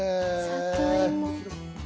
里芋。